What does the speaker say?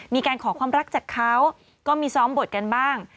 มีการขอความรักจากเขาก็มีซ้อมบทกันบ้าง